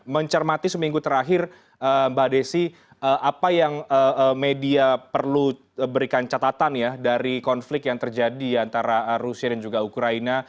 mencermati seminggu terakhir mbak desi apa yang media perlu berikan catatan ya dari konflik yang terjadi antara rusia dan juga ukraina